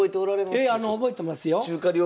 ええ覚えてますよ。